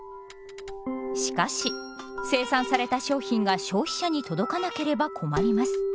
しかし生産された商品が消費者に届かなければ困ります。